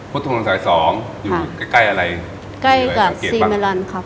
พฤตภัณฑ์สาย๒อยู่ใกล้อะไรมีอะไรสังเกตบ้าง